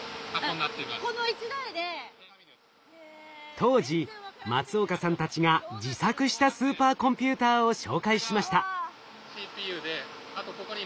当時松岡さんたちが自作したスーパーコンピューターを紹介しました。